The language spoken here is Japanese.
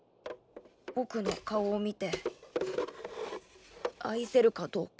僕の顔を見て愛せるかどうか。